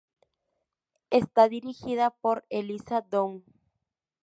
Está dirigida por Elissa Down.